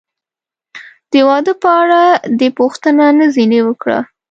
د واده په اړه دې پوښتنه نه ځنې وکړه؟